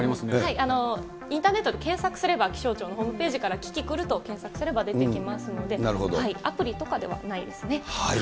インターネットで検索すれば、気象庁のホームページからキキクルと検索すれば出てきますので、アプリとかではないですね。